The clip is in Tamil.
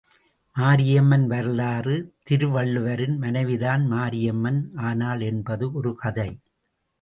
மாரியம்மன் வரலாறு திருவள்ளுவரின் மனைவிதான் மாரியம்மன் ஆனாள் என்பது ஒரு கதை.